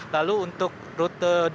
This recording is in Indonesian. lalu untuk rute dua